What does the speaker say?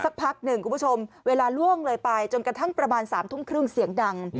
พักหนึ่งคุณผู้ชมเวลาล่วงเลยไปจนกระทั่งประมาณ๓ทุ่มครึ่งเสียงดัง